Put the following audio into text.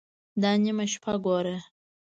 _دا نيمه شپه ګوره!